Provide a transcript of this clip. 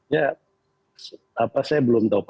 ya apa saya belum tahu